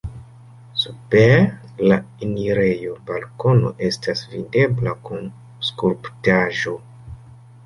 Super la enirejo balkono estas videbla kun skulptaĵo.